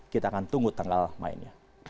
kita akan tunggu tanggal mainnya